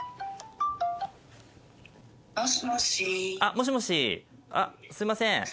もしもしすいません